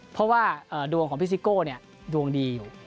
เพราะว่าดวงของพี่ซิโก้ดวงดีอยู่